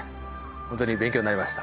ほんとに勉強になりました。